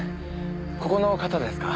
ここの方ですか？